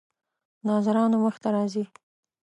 ناظرانو مخې ته راځي.